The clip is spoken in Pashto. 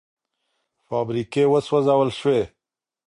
فابریکې وسوځول شوې.